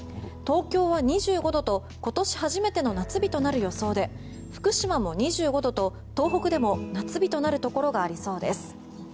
東京は２５度と今年初めての夏日となる予想で福島も２５度と東北でも夏日となるところがありそうです。